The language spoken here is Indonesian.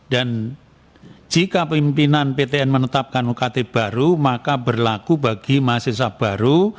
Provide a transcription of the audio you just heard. dan jika pimpinan ptn menetapkan ukt baru maka berlaku bagi mahasiswa baru